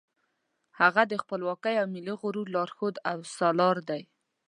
هغه د خپلواکۍ او ملي غرور لارښود او سالار دی.